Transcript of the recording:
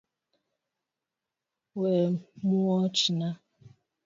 Wekmuochna